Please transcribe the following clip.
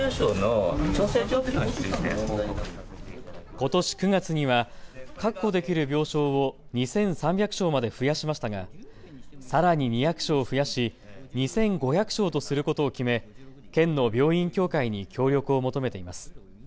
ことし９月には確保できる病床を２３００床まで増やしましたがさらに２００床増やし２５００床とすることを決め県の病院協会に協力を求めています。